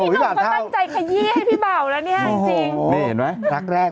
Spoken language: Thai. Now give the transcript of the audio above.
พี่หนุ่มก็ตั้งใจขยี้ให้พี่เบ่าแล้วนี่จริง